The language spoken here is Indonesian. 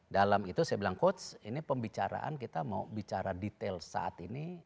dalam itu saya bilang coach ini pembicaraan kita mau bicara detail saat ini